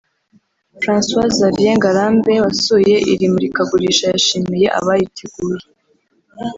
François Xavier Ngarambe wasuye iri murikagurisha yashimiye abariteguye